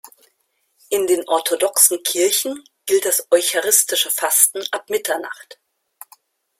In den orthodoxen Kirchen gilt das eucharistische Fasten ab Mitternacht.